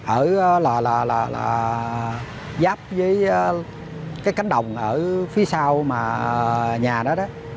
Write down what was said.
ở là là là là giáp với cái cánh đồng ở phía sau mà nhà đó